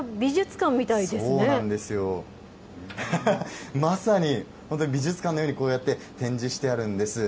そうなんですよ、まさに、本当に美術館のように、こうやって展示してあるんです。